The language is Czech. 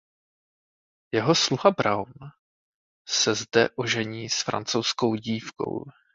Jeho sluha Brown se zde ožení s francouzskou dívkou.